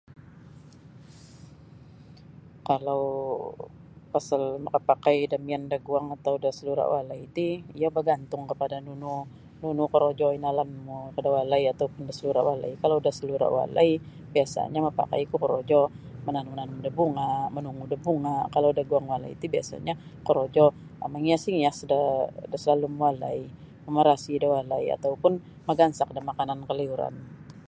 Kalau pasal makapakai da miyan daguang atau da salura' walai ti iyo bagantung kapada nunu nunu korojo inalanmu da walai atau pun da salura' walai kalau da salura' walai biasanyo mapakaiku korojo mananum nanum da bunga' manungu da bunga' kalau da guang walai ti biasa'nyo korojo mangias-ias da salalum walai mamarasi da walai atau pun magansak da makanan kaliuran.